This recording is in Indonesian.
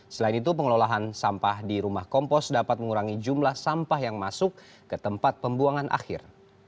selain itu pengelolaan sampah di rumah kompos dapat mengurangi jumlah sampah yang masuk ke tempat pembuangan akhir